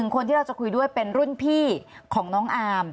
คนที่เราจะคุยด้วยเป็นรุ่นพี่ของน้องอาร์ม